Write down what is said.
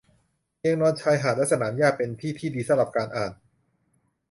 เตียงนอน ชายหาด และสนามหญ้า เป็นที่ที่ดีสำหรับการอ่าน